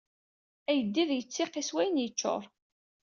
Ayeddid yettiqi s wayen yeččuṛ.